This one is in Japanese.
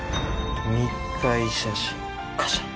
密会写真カシャッ！